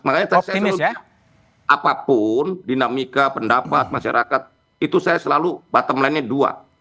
makanya apapun dinamika pendapat masyarakat itu saya selalu bottom line nya dua